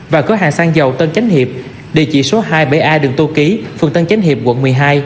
và cửa hàng xăng dầu tân chánh hiệp địa chỉ số hai mươi bảy a đường tô ký phường tân chánh hiệp quận một mươi hai